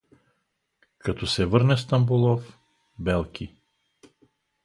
Като се върне Стамболов — белки.